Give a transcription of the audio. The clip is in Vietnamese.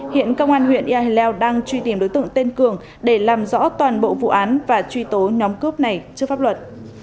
hiện công an huyện yà leo đang truy tìm đối tượng tên cường để làm rõ toàn bộ vụ án và truy tố nhóm cướp này trước pháp luật